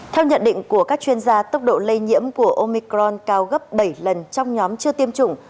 theo nhận định của các chuyên gia tốc độ lây nhiễm của omicron cao gấp bảy lần trong nhóm chưa tiêm chủng